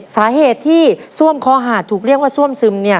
สาเหตุที่ซ่วมเคาะห่านถูกเรียกว่าซ่วมซึม